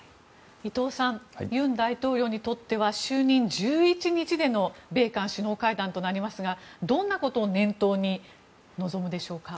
伊藤さん尹大統領にとっては就任１１日での米韓首脳会談となりますがどんなことを念頭に臨むでしょうか。